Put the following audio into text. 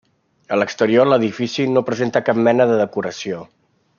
A l'exterior l'edifici no presenta cap mena de decoració.